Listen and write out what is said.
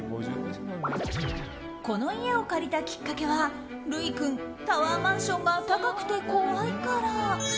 この家を借りたきっかけはルイ君、タワーマンションが高くて怖いから。